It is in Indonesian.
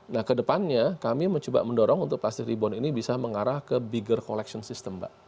nah kedepannya kami mencoba mendorong untuk plastik rebound ini bisa mengarah ke bigger collection system mbak